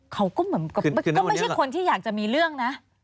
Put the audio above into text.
เขาก็เหมือนกับก็ไม่ใช่คนที่อยากจะมีเรื่องนะ